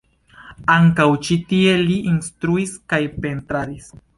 Ankaŭ ĉi tie li instruis kaj pentradis.